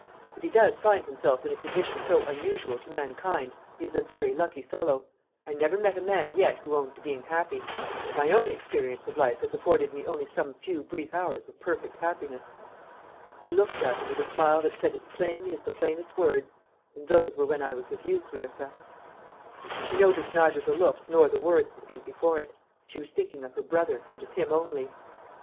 If he does find himself in a condition so unusual to mankind, he is a very lucky fellow. I never met a man yet who owned to being happy; and my own experience of life has afforded me only some few brief hours of perfect happiness." He looked at her with a smile that said as plainly as the plainest words, "And those were when I was with you, Clarissa." She noticed neither the look nor the words that went before it. She was thinking of her brother, and of him only.